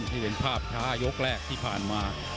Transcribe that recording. นี่เป็นภาพช้ายกแรกที่ผ่านมา